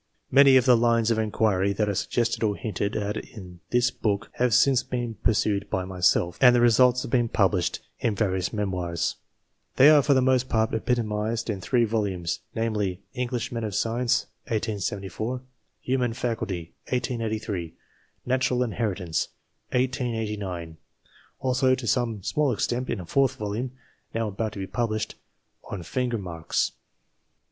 Many of the lines of inquiry that are suggested or hinted at in this book have since been pursued by myself, and the results have been published in various memoirs. They are for the most part epitomised in three volumes namely, English Men of Science (1874), Human Faculty (1883), Natural Inheritance (1889) ; also to some small extent in a fourth volume, now about to be pub lished, on Finger Marks.